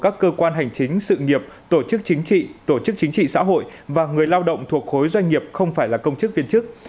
tổ chức chính trị tổ chức chính trị xã hội và người lao động thuộc khối doanh nghiệp không phải là công chức viên chức